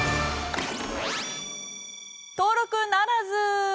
登録ならず！